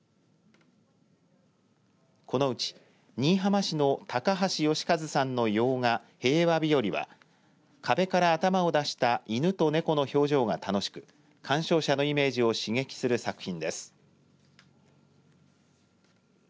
このうち新居浜市の高橋芳和さんの洋画平和日和は壁から頭を出した犬と猫の表情が楽しく鑑賞者のイメージを刺激する作品です。